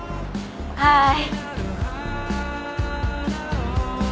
はい。